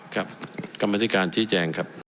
ครับกรรมนาฬิการชิ้นแจงครับ